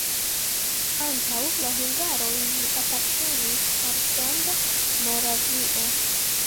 Antaŭ la hungaroj ĝi apartenis al Granda Moravio.